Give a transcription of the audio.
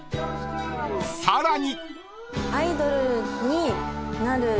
［さらに］